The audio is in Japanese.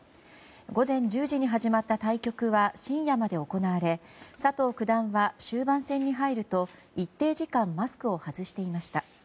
午前１０時に始まった対局は深夜まで行われ、佐藤九段は終盤戦に入ると一定時間マスクを外していました。